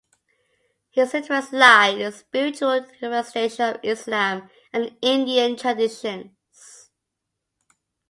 His interests lie in the spiritual manifestations of Islam and Indian traditions.